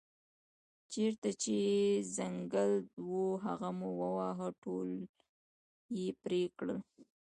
چېرته چې ځنګل و هغه مو وواهه ټول یې پرې کړل.